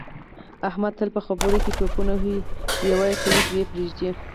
احمد تل په خبروکې ټوپونه وهي یوه کوي دوې پرېږدي.